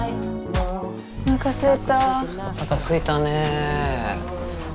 おなかすいたね。